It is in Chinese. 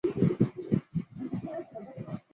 兰开斯特王朝是英国历史上的一个王朝。